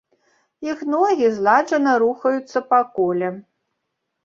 Іх ногі зладжана рухаюцца па коле.